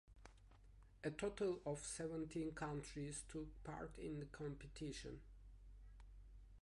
A total of seventeen countries took part in the competition.